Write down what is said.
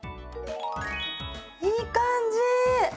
いい感じ。